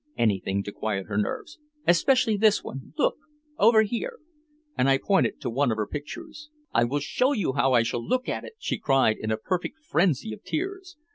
Anything to quiet her nerves. "Especially this one look over here!" And I pointed to one of her pictures. "I will show you how I shall look at it!" she cried in a perfect frenzy of tears.